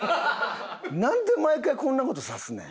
なんで毎回こんな事さすねん？